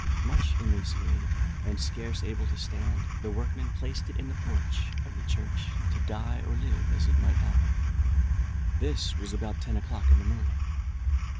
Much emaciated, and scarce able to stand, the workmen placed it in the porch of the church, to die or live as it might happen. This was about ten o'clock in the morning.